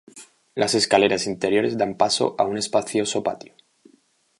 Las escaleras interiores dan paso a un espacioso patio.